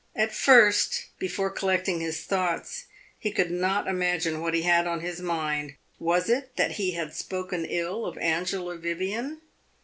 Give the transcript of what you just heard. At first, before collecting his thoughts, he could not imagine what he had on his mind was it that he had spoken ill of Angela Vivian?